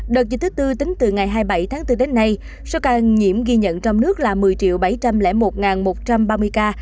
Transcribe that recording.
đợt dịch thứ tư tính từ ngày hai mươi bảy tháng bốn đến nay số ca nhiễm ghi nhận trong nước là một mươi bảy trăm linh một một trăm ba mươi ca